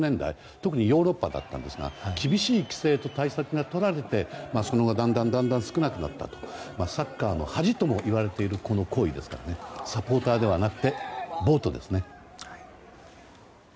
特にヨーロッパだったんですが厳しい規制と対策がとられてだんだん少なくなったとサッカーの恥ともいわれている行為ですからサポーターではなくて暴徒ですね。